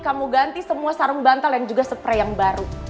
kamu ganti semua sarung bantal yang juga spray yang baru